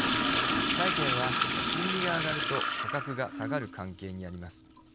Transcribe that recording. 債券は金利が上がると価格が下がる関係にあります。